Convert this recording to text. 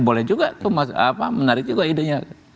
boleh juga menarik juga idenya